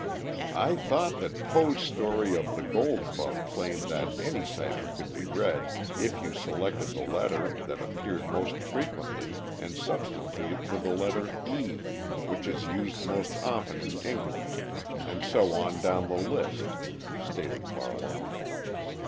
"I thought that Poe's story of 'The Gold Bug' claimed that any cipher could be read if you selected the letter that appeared most frequently and substituted for it the letter 'e,' which is used most often in English, and so on down the list," stated Barlow.